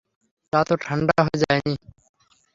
চা তো ঠাণ্ডা হয়ে যায় নি?